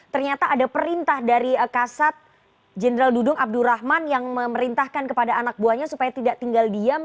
ternyata ada perintah dari kasat jenderal dudung abdurrahman yang memerintahkan kepada anak buahnya supaya tidak tinggal diam